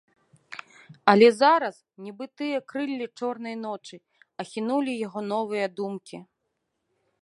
Але зараз, нібы тыя крыллі чорнай ночы, ахінулі яго новыя думкі.